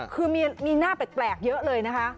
คือมีหน้าแปลกเยอะเลยนะคะ